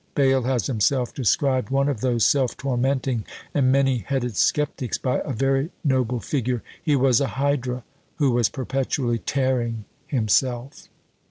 Bayle has himself described one of those self tormenting and many headed sceptics by a very noble figure, "He was a hydra who was perpetually tearing himself."